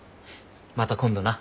また今度な。